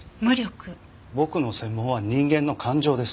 僕の専門は人間の感情です。